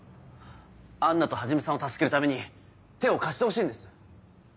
アンナと始さんを助けるために手を貸してほしいんです。